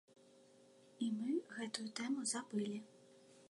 І мы гэтую тэму забылі.